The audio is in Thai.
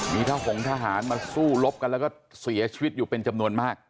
มีทะหงทหารมาสู้รบกันแล้วก็เสียชีวิตอยู่เป็นจำนวนมาก